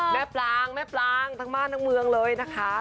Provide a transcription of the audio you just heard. ปลางแม่ปลางทั้งบ้านทั้งเมืองเลยนะคะ